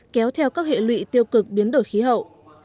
kéo theo các hệ lụy tiêu cực biến đổi khí hậu